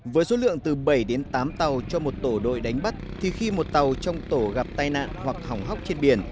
với số lượng từ bảy đến tám tàu cho một tổ đội đánh bắt thì khi một tàu trong tổ gặp tai nạn hoặc hỏng hóc trên biển